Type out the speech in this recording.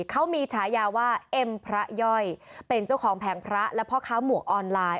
เขามีฉายาว่าเอ็มพระย่อยเป็นเจ้าของแผงพระและพ่อค้าหมวกออนไลน์